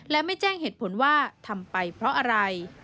และไม่แจ้งเหตุผลว่าทำไปเพราะอะไร